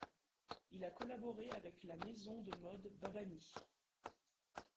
Il a collaboré avec la maison de mode Babani.